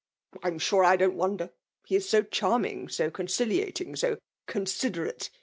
''I am sure I don't wonder ; he is so charm ing, so conciKating, so considerate.